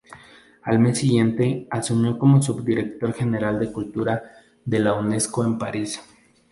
Al mes siguiente asumió como subdirector general de Cultura de la Unesco en París.